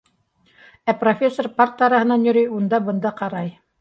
Ә профессор парта араһынан йөрөй, унда-бында ҡарай.